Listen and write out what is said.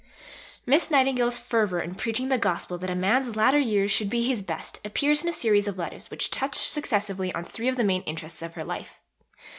Miss Nightingale's fervour in preaching the gospel that a man's latter years should be his best appears in a series of letters which touch successively on three of the main interests of her life.